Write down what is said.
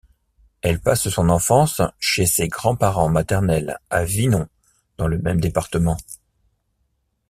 Elle passe son enfance chez ses grands-parents maternels à Vinon dans le même département.